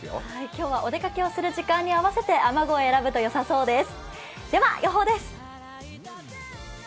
今日はお出かけをする時間に合わせて雨具を選ぶとよさそうです。